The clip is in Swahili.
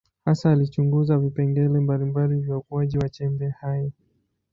Hasa alichunguza vipengele mbalimbali vya ukuaji wa chembe hai.